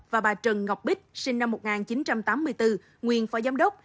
và bà trần ngọc bích sinh năm một nghìn chín trăm tám mươi bốn nguyên phó giám đốc